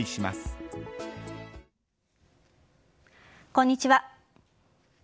こんにちは。